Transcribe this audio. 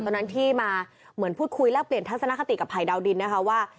ตอนนั้นที่มาเหมือนพูดคุยแลกเปลี่ยนทัศนคติกับภัยดาวดินนะคะว่า